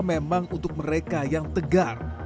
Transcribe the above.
memang untuk mereka yang tegar